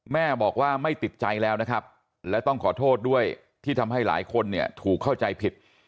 แม่บอกว่าไม่ติดใจแล้วนะครับและต้องขอโทษด้วยที่ทำให้หลายคนเนี่ยถูกเข้าใจผิด